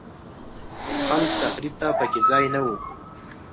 خلاق تخریب ته په کې ځای نه و.